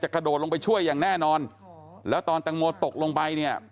กระโดดลงไปช่วยอย่างแน่นอนแล้วตอนตังโมตกลงไปเนี่ย